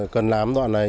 cần làm đoạn này